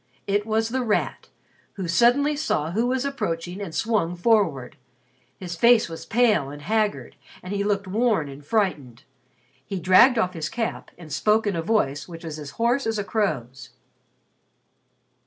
It was The Rat, who suddenly saw who was approaching and swung forward. His face was pale and haggard and he looked worn and frightened. He dragged off his cap and spoke in a voice which was hoarse as a crow's.